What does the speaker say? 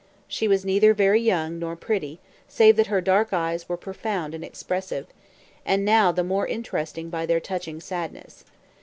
She was neither very young nor pretty, save that her dark eyes were profound and expressive, and now the more interesting by their touching sadness.